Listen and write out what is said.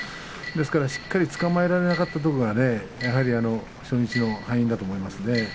しっかりとつかまえられなかったところが初日の敗因だと思いますね。